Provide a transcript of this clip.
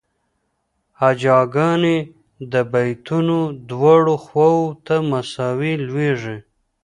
هجاګانې د بیتونو دواړو خواوو ته مساوي لویږي.